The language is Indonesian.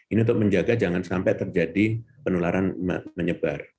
ini untuk menjaga jangan sampai terjadi penularan menyebar